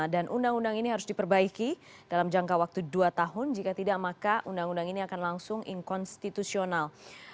dan undang undang ini harus diperbaiki dalam jangka waktu dua tahun jika tidak maka undang undang ini akan langsung inkonstitusional